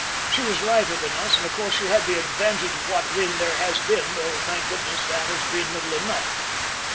"She was lighter than us, and of course she had the advantage of what wind there has been, though, thank goodness, that has been little enough!"